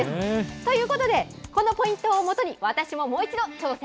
ということで、このポイントをもとに、私ももう一度挑戦。